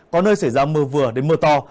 có nơi xảy ra mưa vừa đến mưa to